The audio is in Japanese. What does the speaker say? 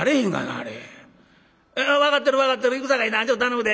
ああ分かってる分かってるいくさかいなちょっと頼むで。